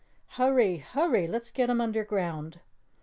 Hurry, hurry! let's get him under ground!"